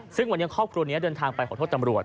ซึ่งวันนี้ครอบครัวนี้เดินทางไปขอโทษตำรวจ